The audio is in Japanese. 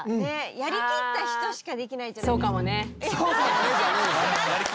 やり切った人しかできないじゃないですか。